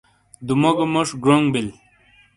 دوموگو موج گڑونگ بل